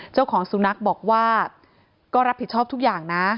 เจ้าของสุนัขบอกว่าก็รับผิดชอบทุกอย่างนะ